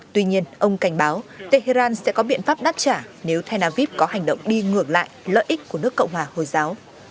tuy nhiên ông cảnh báo tehran sẽ có biện pháp đáp trả nếu tel aviv có hành động đi ngược lại lợi ích của nước cộng hòa hồi giáo